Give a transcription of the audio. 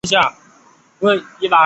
发生事故的是一列属于。